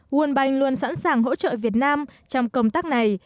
world bank luôn sẵn sàng hỗ trợ việt nam trong công tác này